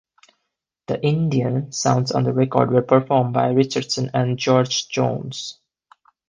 The "Indian" sounds on the record were performed by Richardson and George Jones.